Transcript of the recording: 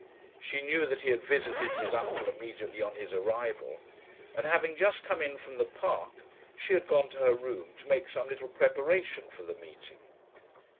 She knew that he had visited his uncle immediately on his arrival, and having just come in from the park she had gone to her room to make some little preparation for the meeting.